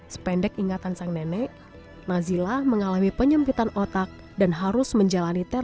sependek ingatan sang nenek nazila mengalami penyempitan otak dan harus menjalani terapi